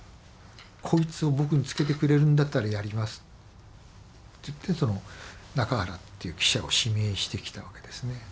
「こいつを僕に付けてくれるんだったらやります」って言って中原っていう記者を指名してきたわけですね。